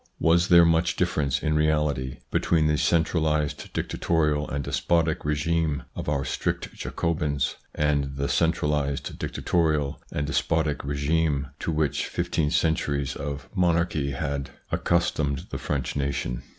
Was there much difference in reality between the cen tralised, dictatorial and despotic regime of our strict Jacobins and the centralised, dictatorial and despotic regime to which fifteen centuries of monarchy had 22 THE PSYCHOLOGY OF PEOPLES: accustomed the French nation